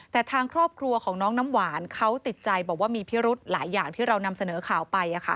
แต่ทางครอบครัวของน้องน้ำหวานเขาติดใจบอกว่ามีพิรุธหลายอย่างที่เรานำเสนอข่าวไป